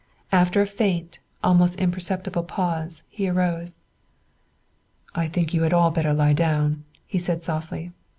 After a faint, almost imperceptible pause he arose. "I think you had all better lie down," he said softly.